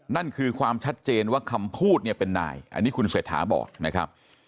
นั่นคือความชัดเจนว่าคำพูดเนี่ยเป็นนายอันนี้คุณเศรษฐาบอกนะครับ